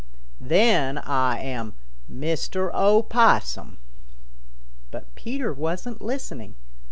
Then Ah am Mister Opossum." But Peter wasn't listening.